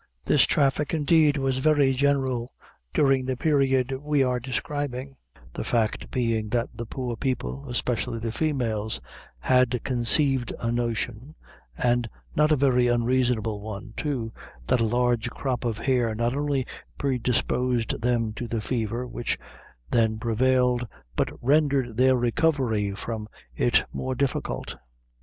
This traffic, indeed, was very general during the period we are describing, the fact being that the poor people, especially the females, had conceived a notion, and not a very unreasonable one, too, that a large crop of hair not only predisposed them to the fever which then prevailed, but rendered their recovery from it more difficult.